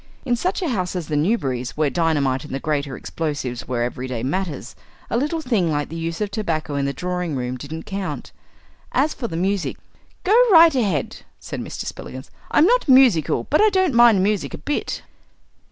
In such a house as the Newberry's, where dynamite and the greater explosives were everyday matters, a little thing like the use of tobacco in the drawing room didn't count. As for the music, "Go right ahead," said Mr. Spillikins; "I'm not musical, but I don't mind music a bit."